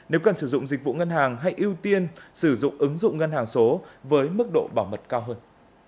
nếu cần sử dụng dịch vụ ngân hàng hay ưu tiên sử dụng ứng dụng ngân hàng số với mức độ bảo mật cao hơn